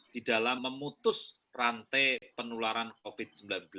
di dalam memutus rantai penularan covid sembilan belas